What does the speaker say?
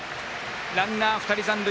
ランナー２人残塁。